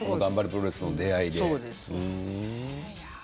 プロレスとの出会いでね。